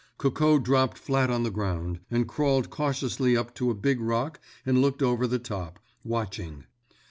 Coco dropped flat on the ground, and crawled cautiously up to a big rock and looked over the top, watching.